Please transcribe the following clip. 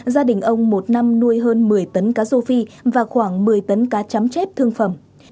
gia đình ông một năm nuôi hơn một mươi tấn cá rô phi và khoảng một mươi tấn cá chấm chép thương phẩm